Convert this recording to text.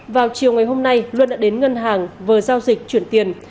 vào chiều ngày hôm nay luân đã đến ngân hàng vừa giao dịch chuyển tiền